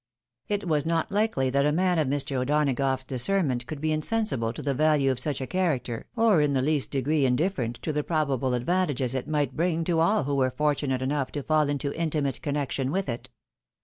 It was not likely that a man of Mr. O'Dona gough's discernment could be insensible to the value of such a character, or in the least degree indifferent to the probable ad vantages it might bring to all who were fortunate enough to fall into intimate connection with it.